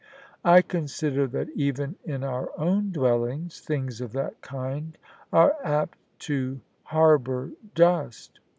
"" I consider that even in our own dwellings things of that kind are apt to harbour dust."